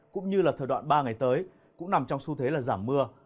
cũng như là thời đoạn ba ngày tới cũng nằm trong xu thế là giảm mưa